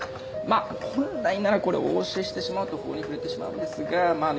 まあ本来ならこれお教えしてしまうと法に触れてしまうんですがまあ